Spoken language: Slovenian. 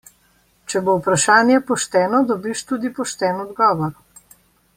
Če bo vprašanje pošteno, dobiš tudi pošten odgovor!